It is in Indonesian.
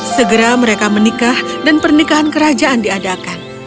segera mereka menikah dan pernikahan kerajaan diadakan